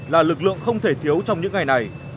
là lực lượng không thể thiếu trong những ngày này